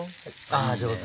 あぁ上手。